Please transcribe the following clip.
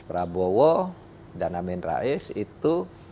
prabowo dan amin rais itu